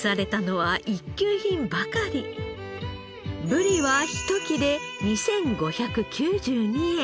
ブリは１切れ２５９２円。